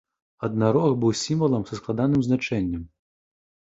Аднарог быў сімвалам са складаным значэннем.